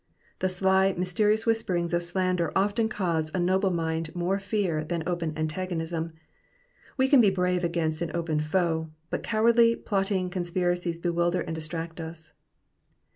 The sly, mysterious whisperings of slander often cause a noble mind more fear than open antagonism ; we cun be brave against an open foe, but cowardly, plotting conspiracies bewilder and distract us.